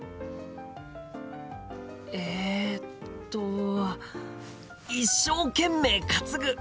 えっと一生懸命担ぐ！